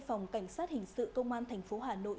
phòng cảnh sát hình sự công an tp hà nội